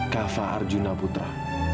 kafa arjuna putra